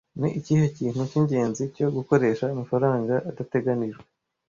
Ni ikihe kintu cyingenzi cyo gukoresha amafaranga adateganijwe